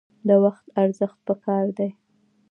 د وخت ارزښت پکار دی